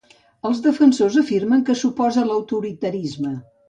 Els defensors afirmen que s'oposa a l'autoritarisme.